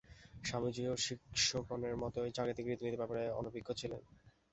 স্বামীজীও শিষ্যগণের মতই জাগতিক রীতিনীতি ব্যাপারে অনভিজ্ঞ ছিলেন।